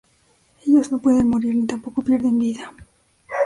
Ellos no pueden morir ni tampoco pierden vida.